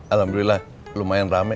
alhamdulillah lumayan rame